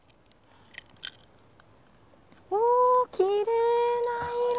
おきれいな色！